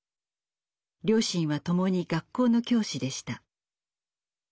両親はともに学校の教師でした。